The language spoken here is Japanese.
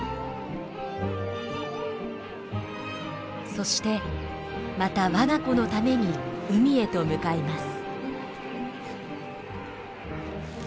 そしてまた我が子のために海へと向かいます。